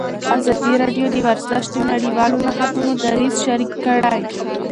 ازادي راډیو د ورزش د نړیوالو نهادونو دریځ شریک کړی.